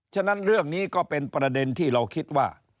ฉะนั้นเรื่องนี้ก็เป็นประเด็นที่เราคิดว่า